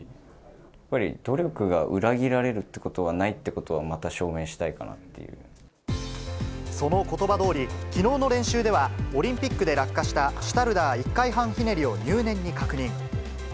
やっぱり努力が裏切られるってことはないってことは、また証明しそのことばどおり、きのうの練習では、オリンピックで落下したシュタルダー１回半ひねりを入念に確認。